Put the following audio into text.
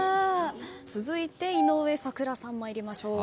続いて井上咲楽さん参りましょう。